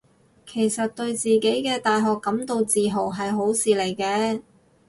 其實對自己嘅大學感到自豪係好事嚟嘅